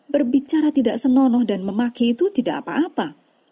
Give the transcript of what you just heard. berbicara tidak senonoh dan memaki itu tidak apa apa